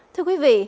thưa quý vị